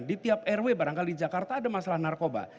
di tiap rw barangkali di jakarta ada masalah narkoba